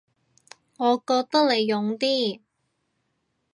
我覺得你勇啲